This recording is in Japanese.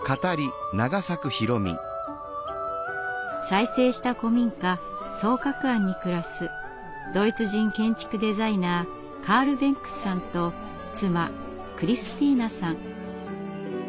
再生した古民家双鶴庵に暮らすドイツ人建築デザイナーカール・ベンクスさんと妻クリスティーナさん。